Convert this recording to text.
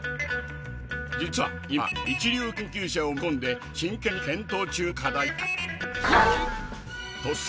実は今一流研究者を巻き込んで真剣に検討中の課題だった！